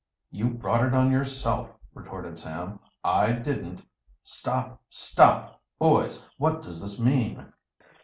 "You brought it on yourself," retorted Sam. "I didn't " "Stop! stop! Boys, what does this mean?"